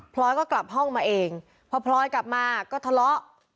ลอยก็กลับห้องมาเองพอพลอยกลับมาก็ทะเลาะ